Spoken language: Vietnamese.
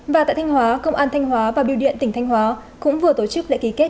và tại thanh hóa công an thanh hóa và biêu điện tỉnh thanh hóa cũng vừa tổ chức lễ ký kết